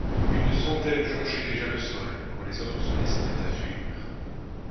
Une centaine jonchait déjà le sol, quand les autres se décidèrent à fuir.